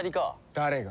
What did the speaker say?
誰が。